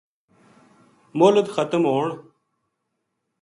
مہلت ختم ہون